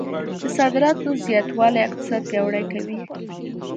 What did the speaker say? د صادراتو زیاتوالی اقتصاد پیاوړی کوي.